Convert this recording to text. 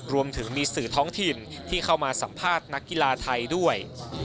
รวมถึงมีสื่อท้องถิ่นที่เข้ามาสัมภาษณ์นักกีฬาไทยด้วย